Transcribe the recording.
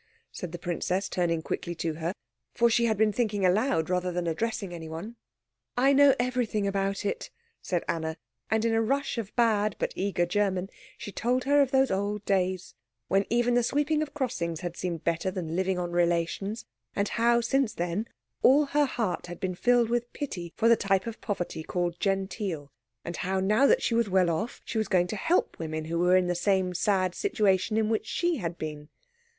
said the princess, turning quickly to her; for she had been thinking aloud rather than addressing anyone. "I know everything about it," said Anna; and in a rush of bad but eager German she told her of those old days when even the sweeping of crossings had seemed better than living on relations, and how since then all her heart had been filled with pity for the type of poverty called genteel, and how now that she was well off she was going to help women who were in the same sad situation in which she had been.